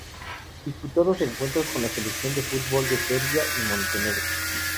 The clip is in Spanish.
Disputó dos encuentros con la Selección de fútbol de Serbia y Montenegro.